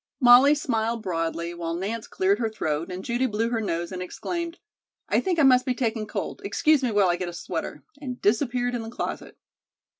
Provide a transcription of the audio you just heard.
Molly smiled broadly, while Nance cleared her throat and Judy blew her nose and exclaimed: "I think I must be taking cold. Excuse me while I get a sweater," and disappeared in the closet.